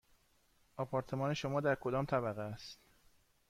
آپارتمان شما در کدام طبقه است؟